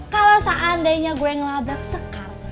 kalau seandainya gue ngelabrak sekar